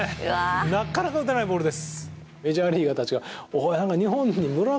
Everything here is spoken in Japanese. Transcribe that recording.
なかなか打てないボールです。